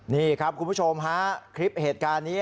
นี่ครับคุณผู้ชมฮะคลิปเหตุการณ์นี้